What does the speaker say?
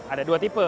ada dua tipe